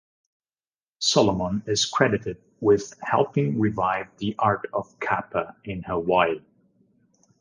Solomon is credited with helping revive the art of kapa in Hawaii.